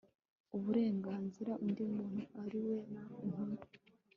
uburenganzira undi muntu ariwe intumwa